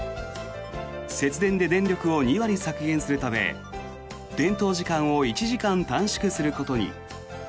節電で電力を２割削減するため点灯時間を１時間短縮することに。